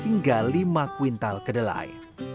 hingga lima kwintal kedelai